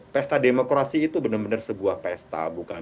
pesta demokrasi itu benar benar sebuah pesta